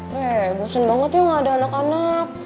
weh bosen banget ya mau ada anak anak